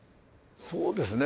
そうですね。